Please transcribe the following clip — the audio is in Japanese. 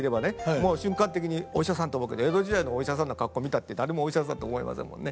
もう瞬間的に「お医者さん」と思うけど江戸時代のお医者さんの格好見たって誰もお医者さんと思いませんもんね。